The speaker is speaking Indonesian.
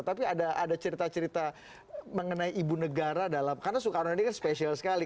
tapi ada cerita cerita mengenai ibu negara dalam karena soekarno ini kan spesial sekali